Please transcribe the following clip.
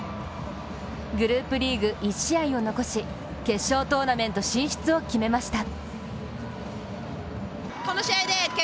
グループリーグ１試合を残し決勝トーナメント進出を決めました。